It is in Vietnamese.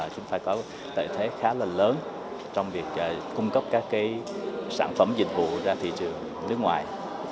chúng ta có lợi thế khá là lớn trong việc cung cấp các sản phẩm dịch vụ ra thị trường nước ngoài